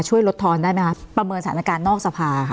ลดทอนได้ไหมคะประเมินสถานการณ์นอกสภาค่ะ